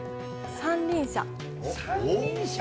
三輪車？